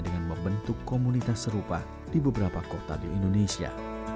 dengan membentuk komunitas serupa di beberapa kota di indonesia